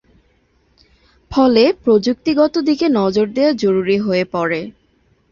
ফলে প্রযুক্তিগত দিকে নজর দেওয়া জরুরী হয়ে পড়ে।